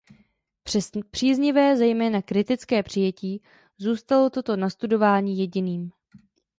Přes příznivé zejména kritické přijetí zůstalo toto nastudování jediným.